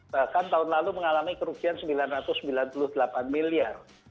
bahkan tahun lalu mengalami kerugian sembilan ratus sembilan puluh delapan miliar